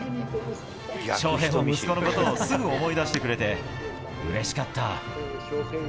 翔平も息子のことをすぐ思い出してくれて、うれしかった。